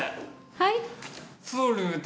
はい。